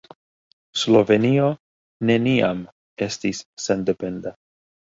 Slovenio neniam estis sendependa.